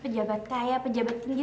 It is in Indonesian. pajabat kaya pejabat tinggi